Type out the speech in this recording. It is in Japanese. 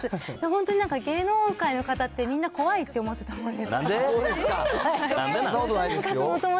本当に芸能界の方って、みんな怖いって思ってなんで？